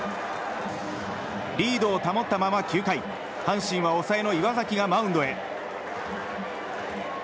リードを保ったまま９回阪神は抑えの岩崎がマウンドへ。